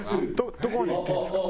どこまで行っていいんですか？